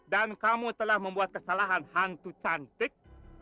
dan kamu telah membuat kesalahan hantu cantik